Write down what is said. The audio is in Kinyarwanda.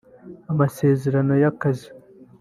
amasezerano y’akazi